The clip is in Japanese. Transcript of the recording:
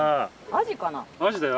アジだよ